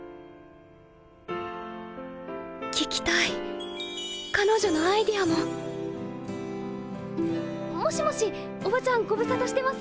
聞きたい彼女のアイデアももしもしおばちゃんご無沙汰してます。